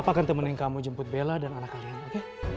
papa akan temenin kamu jemput bella dan anak kalian oke